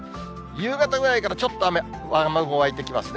夕方ぐらいからちょっと雨、雨雲湧いてきますね。